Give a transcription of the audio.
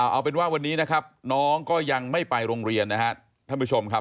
เอาเป็นว่าวันนี้นะครับน้องก็ยังไม่ไปโรงเรียนนะครับท่านผู้ชมครับ